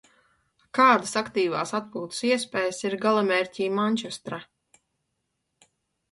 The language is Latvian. Kādas aktīvās atpūtas iespējas ir galamērķī Mančestra?